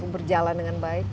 betul betul berjalan dengan baik